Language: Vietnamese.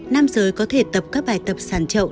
nam giới có thể tập các bài tập sàn trậu